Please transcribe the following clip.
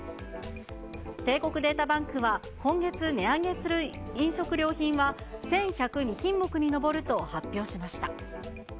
帝国データバンクは、今月値上げする飲食料品は、１１０２品目に上ると発表しました。